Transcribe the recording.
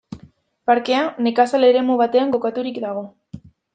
Parkea nekazal eremu batean kokaturik dago.